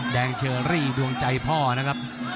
เชอรี่ดวงใจพ่อนะครับ